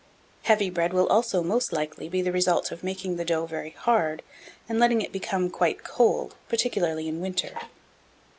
1696. Heavy bread will also most likely be the result of making the dough very hard, and letting it become quite, cold, particularly in winter.